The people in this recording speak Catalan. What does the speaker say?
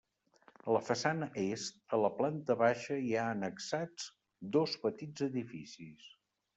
A la façana est, a la planta baixa hi ha annexats dos petits edificis.